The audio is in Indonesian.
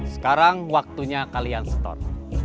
sekarang waktunya kalian setor